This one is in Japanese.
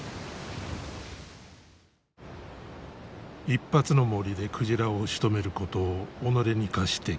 一発の銛で鯨をしとめることを己に課してきた槇。